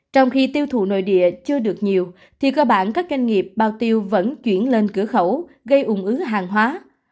trong khi tiêu thụ nội địa chưa được nhiều thì cơ bản các doanh nghiệp bao tiêu vẫn chuyển lên cửa khẩu gây ủng ứ hàng hóa